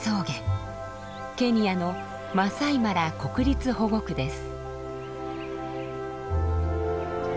ケニアのマサイマラ国立保護区です。